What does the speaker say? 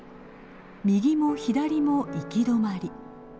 右も左も行き止まり。